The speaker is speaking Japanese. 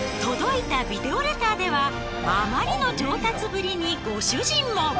届いたビデオレターではあまりの上達ぶりにご主人も。